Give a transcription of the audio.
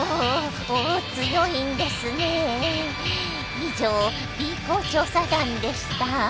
以上Ｂ公調査団でした。